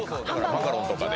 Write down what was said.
マカロンとかで。